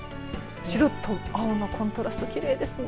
白と青のコントラストきれいですね。